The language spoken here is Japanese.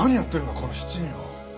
この７人は。